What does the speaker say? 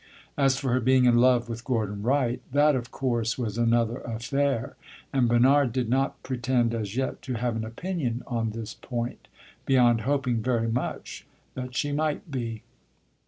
As for her being in love with Gordon Wright, that of course was another affair, and Bernard did not pretend, as yet, to have an opinion on this point, beyond hoping very much that she might be.